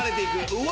うわ！